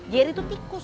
jerry itu tikus